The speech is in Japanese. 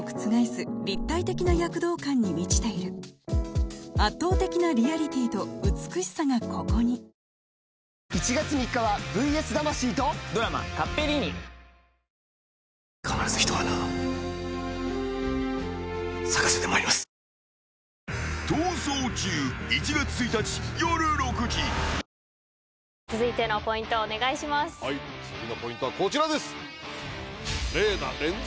次のポイントはこちらです！